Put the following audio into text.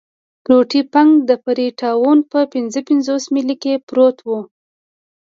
روټي فنک د فري ټاون په پنځه پنځوس میله کې پروت وو.